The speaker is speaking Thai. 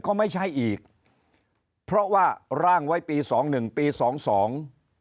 ก็ไม่ใช่อีกเพราะว่าร่างไว้ปีสองหนึ่งปีสองสอง